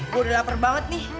gue udah lapar banget nih